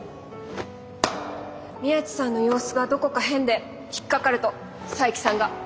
宮地さんの様子がどこか変で引っ掛かると佐伯さんが。